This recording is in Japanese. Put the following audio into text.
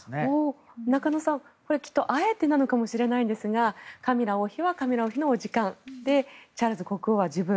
中野さんあえてなのかもしれませんがカミラ王妃はカミラ王妃の時間でチャールズ国王は自分。